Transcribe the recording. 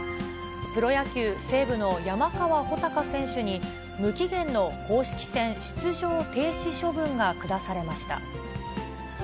プロ野球・西武の山川穂高選手に、無期限の公式戦出場停止処分が下されました。